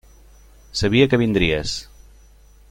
Sabia que vindries.